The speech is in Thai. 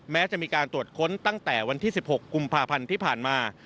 แม้จะมีการตรวจค้นตั้งแต่วันที่๑๖กุมภาพันธ์ที่ผ่านมา